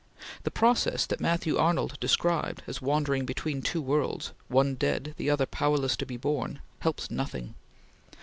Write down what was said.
The process that Matthew Arnold described as wandering between two worlds, one dead, the other powerless to be born, helps nothing.